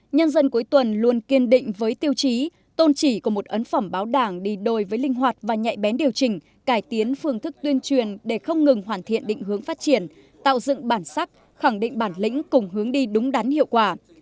nhân dân cuối tuần luôn kiên định với tiêu chí tôn chỉ của một ấn phẩm báo đảng đi đôi với linh hoạt và nhạy bén điều chỉnh cải tiến phương thức tuyên truyền để không ngừng hoàn thiện định hướng phát triển tạo dựng bản sắc khẳng định bản lĩnh cùng hướng đi đúng đắn hiệu quả